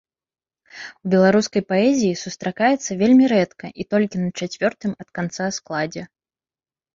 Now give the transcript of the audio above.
У беларускай паэзіі сустракаецца вельмі рэдка і толькі на чацвёртым ад канца складзе.